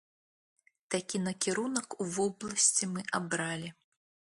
Такі накірунак у вобласці мы абралі.